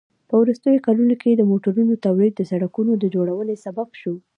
په وروستیو کلونو کې د موټرونو تولید د سړکونو د جوړونې سبب شو.